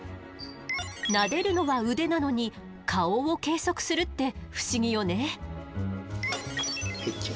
なでるのは腕なのに顔を計測するって不思議よね。